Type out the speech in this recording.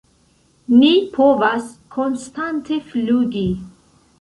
"Ni povas konstante flugi!"